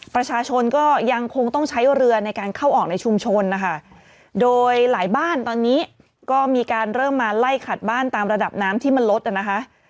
ประชาชนก็ยังคงต้องใช้เรือในการเข้าออกในชุมชนนะคะโดยหลายบ้านตอนนี้ก็มีการเริ่มมาไล่ขัดบ้านตามระดับน้ำที่มันลดนะคะ